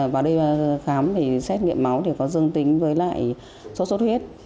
vào đây khám thì xét nghiệm máu có dương tính với lại sốt xuất huyết